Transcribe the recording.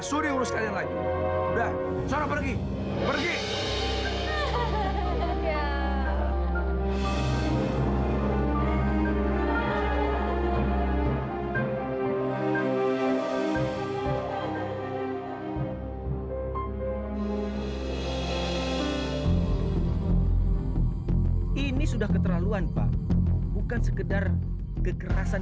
sudah urus kalian lagi udah cara pergi pergi ini sudah keterlaluan pak bukan sekedar kekerasan